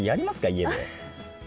家で。